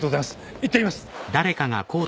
行ってみます。